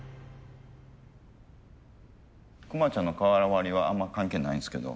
クマちゃんの瓦割りはあんま関係ないんですけど。